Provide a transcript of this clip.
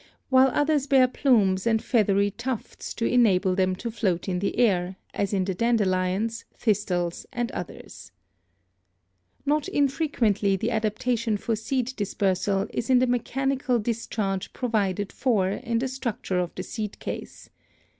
while others bear plumes Wound Parasite Growing on Bark of Tree. ADAPTATION 281 and feathery tufts to enable them to float in the air, as in the dandelions, thistles and others. Not infrequently the adaptation for seed dispersal is in the mechanical discharge provided for in the structure of the seed case.